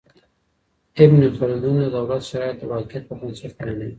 ابن خلدون د دولت شرایط د واقعیت پر بنسټ بیانوي.